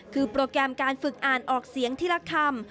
คือโปรแกรมการฝึกอ่านออกเสียงทีละคำ